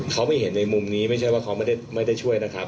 เขาไม่เห็นในมุมนี้ไม่ใช่ว่าเขาไม่ได้ช่วยนะครับ